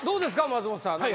松本さん。